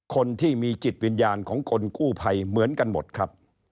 คนที่มีจิตวิญญาณของคนกู้ภัยเหมือนกันหมดครับ